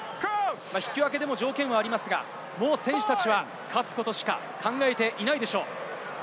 引き分けでも条件もありますが、選手たちは勝つことしか考えていないでしょう。